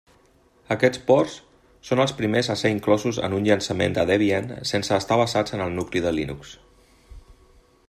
Aquests ports són els primers a ser inclosos en un llançament de Debian sense estar basats en el nucli de Linux.